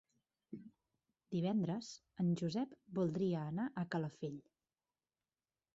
Divendres en Josep voldria anar a Calafell.